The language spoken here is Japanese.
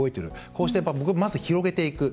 こうして、まず広げていく。